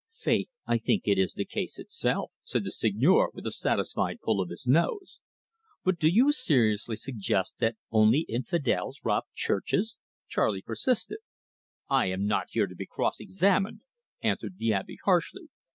"Faith, I think it is the case itself," said the Seigneur with a satisfied pull of his nose. "But do you seriously suggest that only infidels rob churches?" Charley persisted. "I am not here to be cross examined," answered the Abbe harshly.